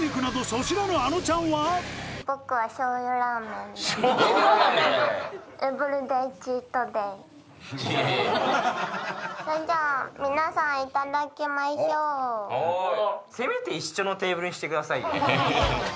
そんじゃあ皆さんいただきましょう。